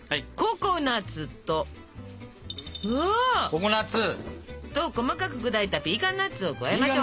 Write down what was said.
ココナツ。と細かく砕いたピーカンナッツを加えましょう。